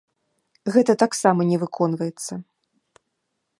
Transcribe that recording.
Гэта таксама не выконваецца.